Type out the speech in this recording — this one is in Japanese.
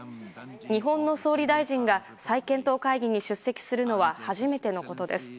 日本の総理大臣が再検討会議に出席するのは初めてのことです。